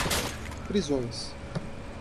prisões